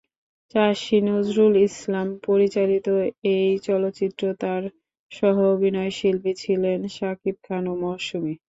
চাষী নজরুল ইসলাম পরিচালিত এই চলচ্চিত্রে তার সহ-অভিনয়শিল্পী ছিলেন শাকিব খান ও মৌসুমী।